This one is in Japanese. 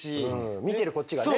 見てるこっちがね。